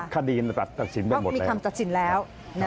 คดีตัดตักศิลป์ได้หมดแล้ว